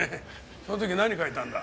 その時何描いたんだ？